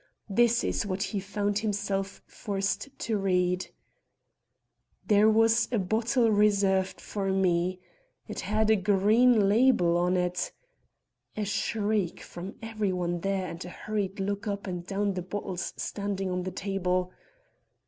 This is what he found himself forced to read: "There was a bottle reserved for me. It had a green label on it, " A shriek from every one there and a hurried look up and down at the bottles standing on the table.